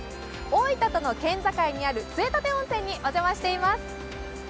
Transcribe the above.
大分との県境にある杖立温泉にお邪魔しています。